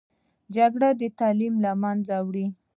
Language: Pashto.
جګړه تعلیم له منځه وړي